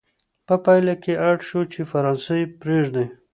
په پایله کې اړ شو چې فرانسه پرېږدي.